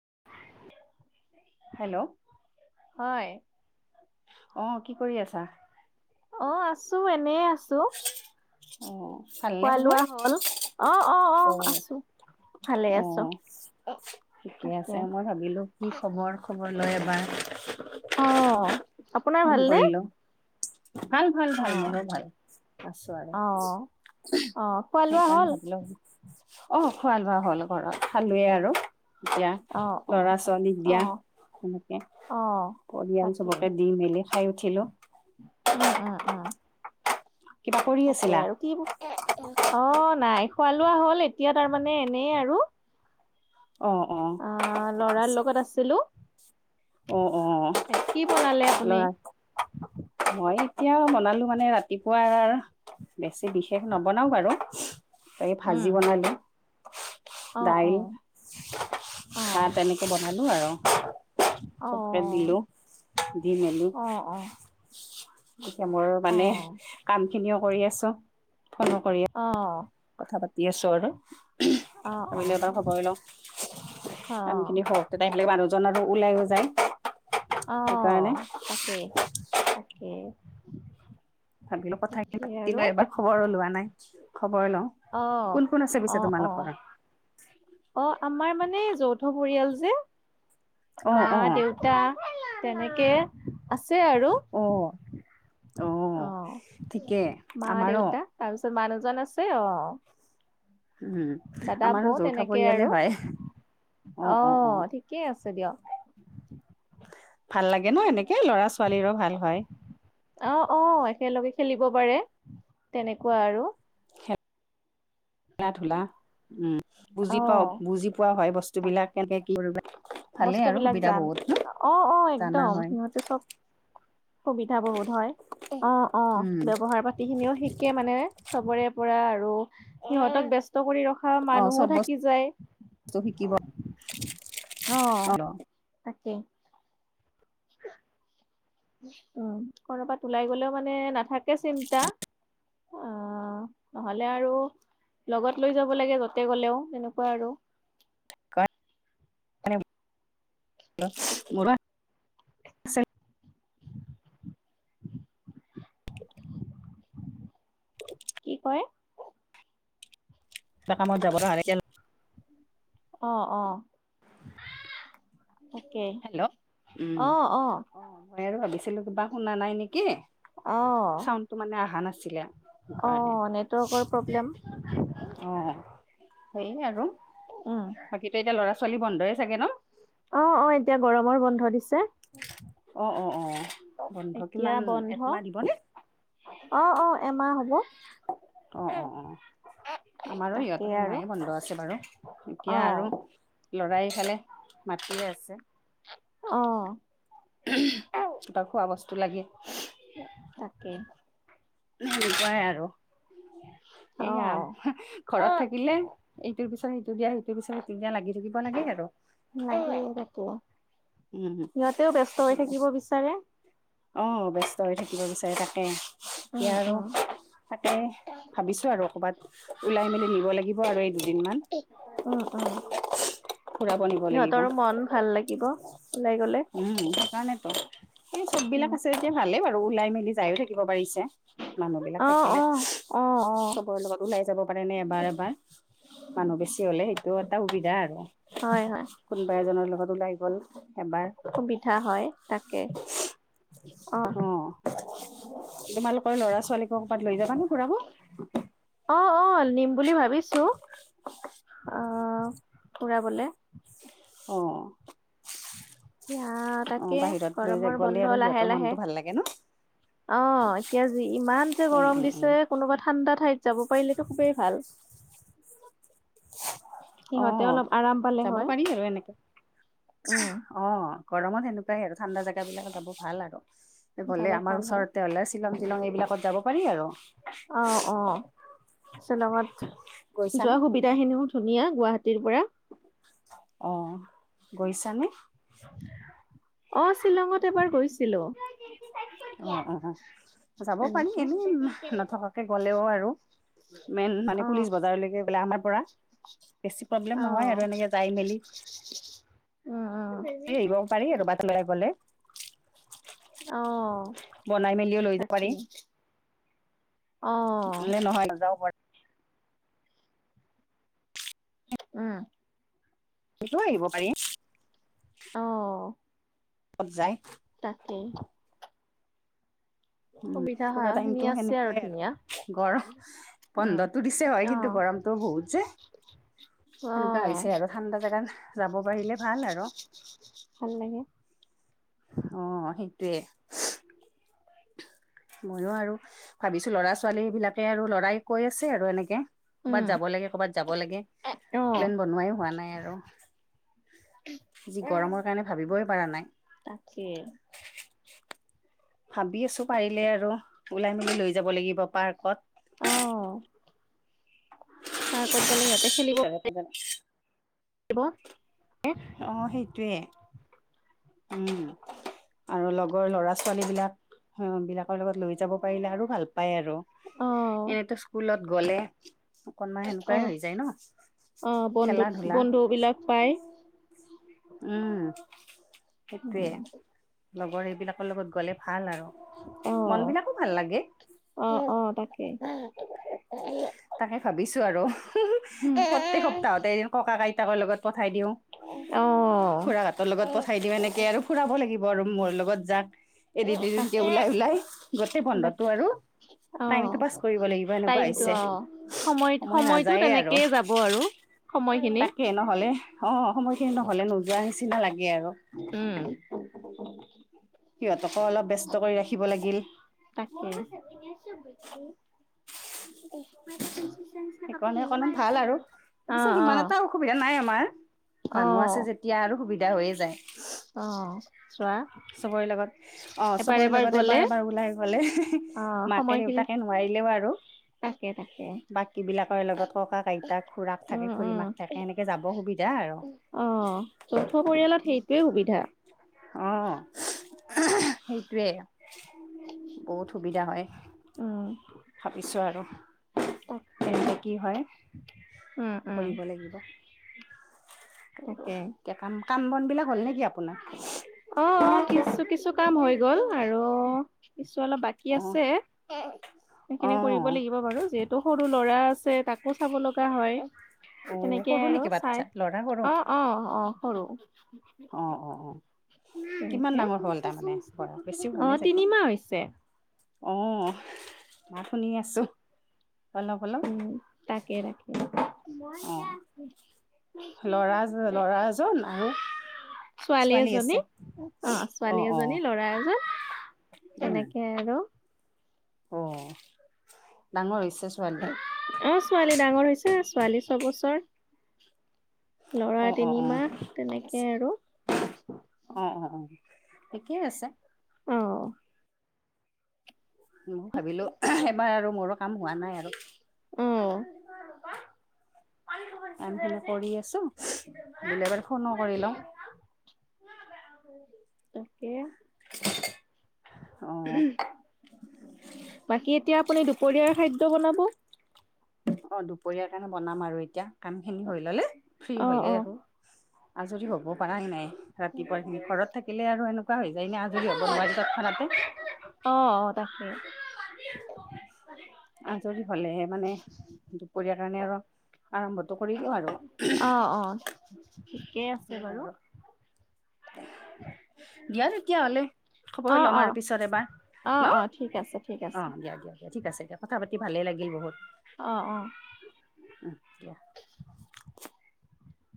[unintelligible] Hello হয় অ কি কৰি আছা অ আছো এনে আছো অ ভালনে খোৱা খবৰ লোৱা হল অ অ অ আছো ভালে অ আছ ঠিকে আছে মই ভাবিলো কি খবৰ খবৰ লয় এবাৰ অ [unintelligible] আপোনাৰ ভালনে কৰিলো ভাল ভাল অ ভাল মোৰো ভাল আছো আৰু অ অ খোৱা লোৱা সেইকাৰণে হ'ল ভাবিলো। অ, খোৱা-লোৱা হ'ল ঘৰত। খালোৱে আৰু এতিয়া অ অ ল'ৰা-ছোৱালীক অ দিয়া হেনেকে। অ পৰিয়াল তাকে চবকে দি খাই উঠিলো। উম, উম, উম। কিবা কৰি তাকে আছিলা আৰু কি বো অ নাই খোৱা লোৱা হ'ল এতিয়া তাৰমানে এনেই আৰু অ অ আহ লৰাৰ লগত আছিলো অ অ কি বনালে আপুনি ল'ৰা মই এতিয়া বনালো মানে ৰাতিপুৱাৰ বেছি বিশেষ নবনাও বাৰু এই উম ভাজি বনালো অ অ অ হাহ তেনেকে বনালো আৰু অ চবকে দিলো দি মেলি অ এতিয়া মোৰ অ অ মানে কাম খিনিও কৰি আছো অ [inaudible] অ', ভাবিলে বাৰ অ', খবৰ লওঁ কাম অ', খিনি হ তেতিয়া আহিলে মানুহজনৰ ওলাইও যায় আহ সেইকাৰণে তাকে তাকে ভাবিলো কথাখিনি তাকে পাতি আৰু লওঁ এবাৰ খবৰো লোৱা নাই খবৰ লওঁ অ', কোন কোন আছেছে পিছে অ', অ', তোমালোকৰ অ আমাৰ মানে যৌথ পৰিয়াল অ যে মা অ দেউতা তেনেকে আছে আৰু অ অ আহ ঠিকে মা আমাৰো দেউতা তাৰপিছত মানুহজন আছে অ উম দাদা, আমাৰো বৌ যৌথ তেনেকে পৰিয়ালে আৰু হয় অ ঠিকেই আছে। চতি অ ভাল লাগে ন? এনেকে ল, ৰা-ছোৱালীৰো ভাল হয়। অ', অ', একেলগে খেলিব পাৰে, তেনেকুৱা আৰু। খেলা-ধূলা, উম বুজি পাও। অ', বুজি পোৱা হয় বস্তু বিলাক। কেনেকে কি কৰিব ভালে আৰু বস্তুবিলাক সুবিধা যান, বহুত ন অ-অ জানা একদম। হয় সিহঁতে চব সুবিধা বহুত হয়। অ-অ উম ব্যৱহাৰ পাতি খিনিও শিকে মানে চবৰে। পৰা আৰু সিহঁতক ব্যস্ত কৰি ৰখ অ চব মানুহো থাকি বস্তু যায়। শিকিব অ। কে উ, কৰবাত ওলাই গলেও মানে নাথাকে চিন্তা। [inaudible] অ, নহলে আৰু লগত লৈ যাব লাগে যতে গ'লেও, তেনেকুৱা আৰু। ক অ ম চ [unintelligible] কি কৰে? এ কামত যাব [unintelligible] অ, অ। তাকে, হেল্ল' অ-অ। ভাবিলোঁ কিবা শুনা নাই নেকি? অ', চাউনটো মানে অহা নাছিলে। অ নে অ', নেটৱৰ্কৰ প্ৰব্লেম। সেই আৰু উম। বাকী এতিয়া ল'ৰা-ছোৱালী বন্ধই চাগে ন? অ-অ এতিয়া গৰমৰ বন্ধ দিছে। অ, অ, অ। বন্ধ এতিয়া কিমান বন্ধ একমাহ দিবনে? মা হ'ব। অঁ অঁ অঁহ। আমাৰো তাকেই সিহঁতৰ আৰু মায়ে বন্ধ আছে বাৰু এতিয়া আৰু। অ'। ল'ৰাইফালে মাতিয়ে আছে। অহ। তাৰ খোৱা বস্তু লাগিল। তাকে। সেনেকুৱাই আৰু এইয়া অ', ঘৰত থাকিলে এইটোৰ পিছত সে শেটো দিয়া যিটো বিচাৰে সেইটো দিয়া লাগি থাকিব লাগে আৰু। লাগে তাকে উম সিহঁতেও ব্যস্ত হৈ থাকিব বিচাৰে। অহ ব্যস্ত হৈ থাকিব বিচাৰে তাকে। উম, এয়া আৰু উম, তাকে ভাবিছো আৰু কবাত ওলাই মেলি নিব লাগিব আৰু দুদিনমান উ, উ। ফুৰাব নিব লাগিব। লাগিব ওলাই গ'লে উম, সেইকাৰণেতো। এই চব বিলাক উম, আছে এতিয়া ভালেই বাৰু ওলাই মেলি যায়ো থাকিব পাৰিছে। মানুহ বিলাক অ', থাকিলে অ', অ', অ', চবৰে লগত ওলাই যাব পাৰে নে এবাৰ এবাৰ মানুহ বেছি হলে সেইটো এটা সুবিধা আৰু। হয়, হয়। কোনোবা এজনৰ ওলাই গল এবাৰ। সুবিধা হয় তাকে অ তোমালোকৰ ল'ৰা-ছোৱালীক ক'বাত লৈ যাবানে ফুৰাব? অ-অ নিম বুলি ভাবিছো। অ, ফুৰাবলে। অ। এয়া অ তাকে বাহিৰত লৈ য গৰমৰ গ'লে বন্ধ আৰু লাহে সিহঁতৰ লাহে মনটো ভাল লাগে ন অ এতিয়া জি ইমান যে উম গৰম উম উম দিছে কোনোবা ঠাণ্ডা ঠাইত। যাব পাৰিলেতো খুবেই ভাল। সিহঁতে আহ অলপ আৰাম পালে যাব হয় পাৰি আৰু এনেকে উম, অ। গৰমত সেনেকুৱাই আৰু ঠাণ্ডা জাগাব বিলাক যাব ভাল আৰু যাব বলে আমাৰ ভাল হয়। ওচৰতে হ'লে শ্বিলং। এইবিলাকত যাব পাৰি আৰু। অ', অ', শ্বিলঙত গৈছানে যোৱা সুবিধা খিনিও ধুনীয়া গুৱাহাটীৰ পৰা। অ গৈছানে। অ শ্বিলঙত এবাৰ গৈছিলো। অ অ যাব পাৰি তেনেকে এনেই নথকাকে গলেও আৰু। মেইন মানে অ', পুলিচছ বজাৰলৈকে বোলে আমাৰ। পৰা বেছি প্ৰব্লেম নহয় আৰু অ', এনেকে যাই মেলি। উম উম। ত আহিবও পাৰি গলে। অ। বনাই মেলিও লৈ যাব পাৰি। তাকেই অ', নে নহয় না যাব পাৰি। উম। সেইটো আহিব পাৰিম। অ'। ক'ত যায়। তাকেই। উম সুবিধা পুৰা খিনি টাইমতটো আছে আৰু সেনেকুৱাই ধুনীয়া আৰু গৰম উম, বন্ধটো দিছে হয় কিন্তু অ', গৰম। গৰমটো বহুত যে। সেনেকুৱা অ'। হৈছে আৰু ঠাণ্ডা জোগাত যাব পাৰিলে ভাল আৰু। ভাল লাগে। অ সেইটোৱে। ময়ো আৰু ভাবিছো ল'ৰা ছোৱালী বিলাকে আৰু লৰাই কৈ আছে আৰু এনেকে। উম, কৰ'বাত যাব লাগে কৰ'ৰবাত যাব লাগে অ', প্লেন বনোৱাই হোৱা নাই আৰু। যি গৰমৰ কাৰণে ভাবিবই পাৰা নাই। তাকে ভাবি আছো পাৰিলে আৰু ওলাই মেলি লৈ যাব লাগিব পাৰ্কত। অ, পাৰ্কত গলে সিহতে খেলিব পাৰি। [unintelligible] পাৰিব। অ সেইটোয়ে উম। আৰু লগৰ ল'ৰা ছোৱালী বিলাক বিলাকৰ লগত লৈ যাব পাৰিলে আৰু ভাল। পায় আৰু অ', এনেতো স্কুলত গ'লে। অকনমান সেনেকুৱাই অ', হৈ যায় অ', ন বন্ধু খেলা ধূলা। বন্ধু বিলাক পাই। উম সেইটোয়ে লগৰ এইবিলাকৰ লগত গলে। ভাল আৰু মন অ', বিলাকো ভাল লাগে। অ', অ', তাকে। [unintelligible] তাকে ভাবিছো আৰু প্ৰত্যেক সপ্তাহতে ককা আইতাকৰ লগত পঠাই দিওঁ। অ। খুৰা হঁতক লগত পঠাই দিওঁ এনেকে আৰু ফুৰাব লাগিব আৰু মোৰ লগত যাক। এদিন দুদিনকে তাকে ওলাই ওলাই গোটেই বন্ধটো বাকী আৰু টাইম টো পাছ কৰিব লাগিব এনেকুৱা। ত হৈছে অ সময় সময়টো নাযায়ে আৰু তেনেকেইয়ে যাব আৰু। সময়খিনি তাকে নহলে অ সময় খিনি নহলে নোযোৱা নিচিনা লাগে আৰু। উম, [unintelligible] সিহঁতকো অলপ ব্যস্ত কৰি ৰাখিব লাগিল। তাকে। [unintelligible] সেইকণ সেইকন ভাল আৰু পিছে অ', সিমান অ', এটা অসুবিধা নাই আমাৰ। মানুহ অ', আছে যেতিয়া আৰু সুবিধা হৈয়ে যায়, অ', চোৱা চবৰে লগত। অ এবাৰ চবৰে লগত এবাৰ গ'লে এবাৰ ওলাই গলে অ', মাকে সময়খিনি দেউতাকে নোৱাৰিলেও আৰু। তাকে তাকে। বাকীবিলাকৰ লগত ককা, আইতাক খুৰাক থাকে, উম, খুৰি উম, মাক থাকে এনেকে যাব সুবি অ, যৌথ পৰিয়ালত সেইটোৱে সুবিধা। অ সেইটোৱে। বহুত সুবিধা হয় উম, ভাবিছোঁ আৰু। তাকে তেনেকৈ কি হয় উম, উম, কৰিব লাগিব। তাকে। এ কাম কাম -বনবিলাক হ'ল নে কি আপ অ অ কিছু কিছু কাম হৈ গল আৰু অলপ বাকী অ আছে, অ সেইখিনি কৰিব লাগিব বাৰু যিহে তো সৰু ল'ৰা আছে তাকো চাব লগা হয়। অ তেনেকে সৰু নেকি আৰু বাচ্ছা চাই ল'ৰা সৰু অ অ অ সৰু। অ অ অ। কিমান তেনেকে ডাঙৰ হ'ল তাৰমানে ব বেছি হোৱা অ নাই চাগে? তিনিমাহ হৈছে অ শুনি আছো? অলপ অলপ উম তাকে ৰাখে। অ লৰা -লৰা এজন আৰু ছোৱালী এজনী অ অ ছোৱালী অ এজনী, ল'ৰা এজন। উম তেনেকে আৰু। অ ডাঙৰ হৈছে। ছোৱালী অ ছোৱালী ডাঙৰ হৈছে ছোৱালী ছবছৰ লৰা অ অ অ তিনিমাহ ঠিকে আছে তেনেকে আৰু। অ অ অ ঠিকেই আছে। অ ম ভাবিলো উহু এবাৰ আৰু মোৰো কাম হোৱা নাই আৰু। অ কামখিনি কৰি আছো, বোলো এবাৰ ফোনো কৰি লওঁ। কা [inaudible] তাকে। অ উহুম, বাকী এতিয়া আপুনি দুপৰীয়াৰ খাদ্য বনাব? অ দুপৰীয়াৰ কাৰণে বনাম আৰু এতিয়া কামখিনি হৈ ললে ফ্ৰী অ অ হ'লেই আৰু। আজৰি হ'ব পৰা নাই, ৰাতিপুৱাখিনি ঘৰত থাকিলে আৰু এনেকুৱা হয়- যায়নে আজৰি হ'ব নোৱাৰি তৎক্ষণাতে। সে আজৰি হলেহে মানে দুপৰীয়াৰ কাৰণে আৰু আৰম্ভটো কৰি দিওঁ আৰু। ঠিকেই আছে সেয়াই বাৰু। আৰু দিয়া তেতিয়া হলে, খবৰ অ ল'ম অ আৰু পিছত এবাৰ অ ন। অ ঠিক আছে ঠিক অ আছে দিয়া দিয়া দিয়া ঠিক আছে দিয়া কথা পাতি ভালে লাগিল বহুত। অ অ। [inaudible]